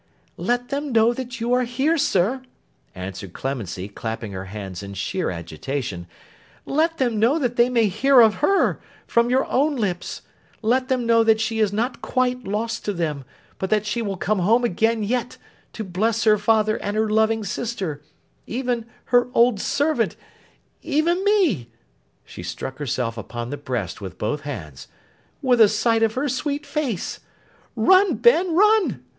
'Let them know that you are here, sir,' answered Clemency, clapping her hands in sheer agitation. 'Let them know that they may hear of her, from your own lips; let them know that she is not quite lost to them, but that she will come home again yet, to bless her father and her loving sister—even her old servant, even me,' she struck herself upon the breast with both hands, 'with a sight of her sweet face. Run, Ben, run!